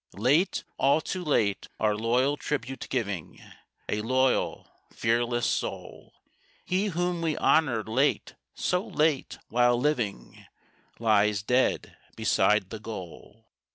Late all too late our loyal tribute giving A loyal, fearless soul! He whom we honored late so late while living, Lies dead beside the goal.